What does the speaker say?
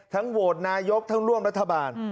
โหวตนายกทั้งร่วมรัฐบาล